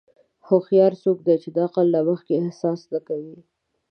هوښیار څوک دی چې د عقل نه مخکې احساس نه کوي.